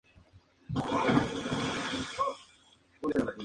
Joe Cocker!